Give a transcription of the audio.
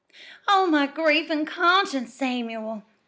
"Oh, my grief an' conscience Samuel!"